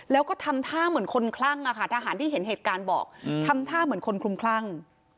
แล้วก็ทำท่าเหมือนคนคลั่งอะค่ะทหารที่เห็นเหตุการณ์บอกทำท่าเหมือนคนคลุมคลั่ง